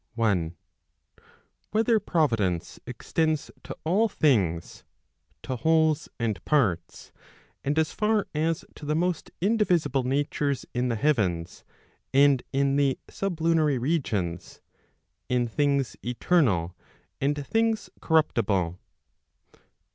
1. Whether Providence extends to all things, to wholes and parts, and as far as to the most indivisible natures in the heavens and in the sublunary regions, in things eternal arid things corruptible?